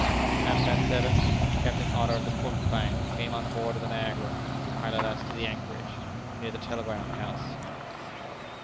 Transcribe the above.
At half past seven, Captain Otter, of the Porcupine, came on board of the Niagara to pilot us to the anchorage, near the telegraph house.